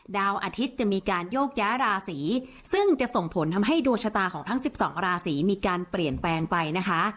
ดาวอาทิตย์จะมีการโยกย้ายราศีซึ่งจะส่งผลทำให้ดวงชะตาของทั้ง๑๒ราศีมีการเปลี่ยนแปลงไปนะคะ